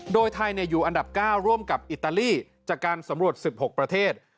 โดยไทยอยู่อันดับ๙ร่วมกับอิตาลีจากการสำรวจ๑๖ประเทศ